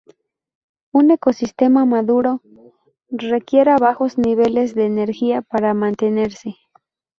Un ecosistema maduro requiera bajos niveles de energía para mantenerse.